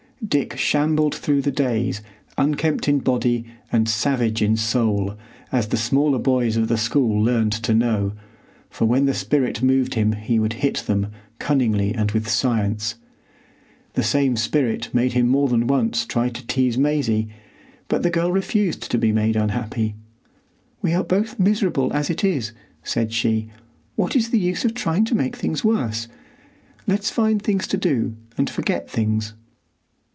Dick shambled through the days unkempt in body and savage in soul, as the smaller boys of the school learned to know, for when the spirit moved him he would hit them, cunningly and with science. The same spirit made him more than once try to tease Maisie, but the girl refused to be made unhappy. "We are both miserable as it is," said she. "What is the use of trying to make things worse? Let's find things to do, and forget things."